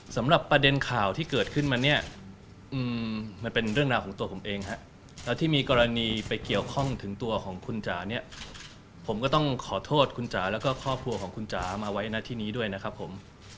สำหรับประเด็นข่าวที่เกิดขึ้นมาเนี่ยมันเป็นเรื่องราวของตัวผมเองฮะแล้วที่มีกรณีไปเกี่ยวข้องถึงตัวของคุณจ๋าเนี่ยผมก็ต้องขอโทษคุณจ๋าแล้วก็ครอบครัวของคุณจ๋ามาไว้นะที่นี้ด้วยนะครับผม